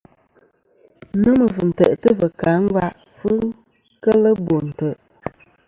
Nômɨ fɨ̀ntè'tɨ fɨ ngva fɨ̀ kà kel bo ntè'.